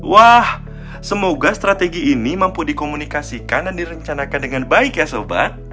wah semoga strategi ini mampu dikomunikasikan dan direncanakan dengan baik ya sobat